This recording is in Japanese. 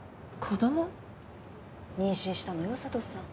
妊娠したのよ佐都さん。